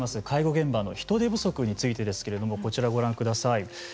介護現場の人手不足についてですけれどもこちらをご覧ください。